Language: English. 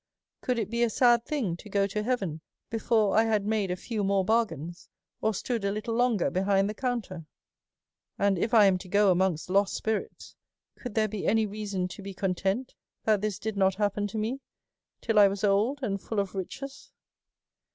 Could it be a sad thing to go to heaven before I had made a few more bar gains, or stood a little longer behind the counter? " And if I am to go amongst lost spirits, could there be any reason to be content that this did not happen to me till I was old, and full of riches